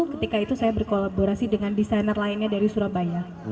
ketika itu saya berkolaborasi dengan desainer lainnya dari surabaya